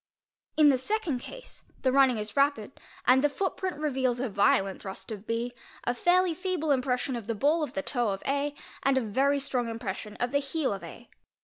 In the second case the running is rapid and the footprint reveals a violent thrust of B, ¢ fairly feeble impression of the ball of the toe of A, and a very strong impression of the heel of A.